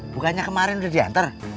bukannya kemarin udah diantar